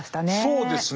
そうですね。